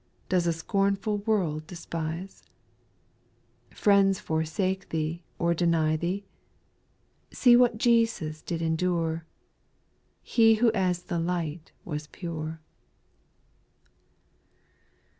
Does a scornful world despise ? Friends forsake thee or deny thee ? See what Jesus did endure. He who as the light was pure.